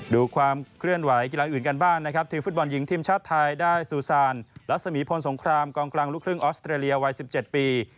ดูความเคลื่อนไหวกีฬาอื่นกันบ้างนะครับทีมฟุตบอลหญิงทีมชาติไทยได้ซูซานรัศมีพลสงครามกองกลางลูกครึ่งออสเตรเลียวัย๑๗ปี